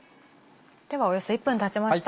ではおよそ１分たちました。